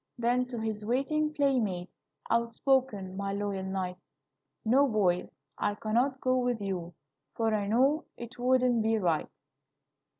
Then to his waiting playmates Outspoke my loyal knight: 'No, boys; I cannot go with you, For I know it wouldn't be right.'"